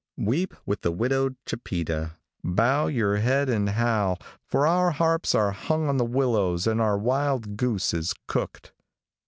Weep with the widowed Chipeta. Bow your heads and howl, for our harps are hung on the willows and our wild goose is cooked.